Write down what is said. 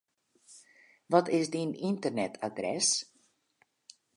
Wat is dyn ynternetadres?